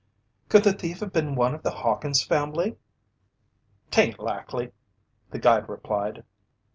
"Could the thief have been one of the Hawkins family?" "'Tain't likely," the guide replied.